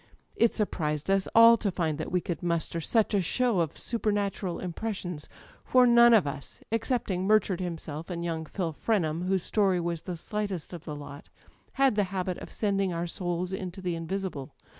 It surprised us all to find that we could muster such a show of supernatural impressions, for none of us, excepting Murchard himself and young Phil Fren ham â€" ^whose story was the slightest of the lot â€" had the habit of sending our souls into the invisible.